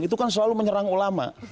itu kan selalu menyerang ulama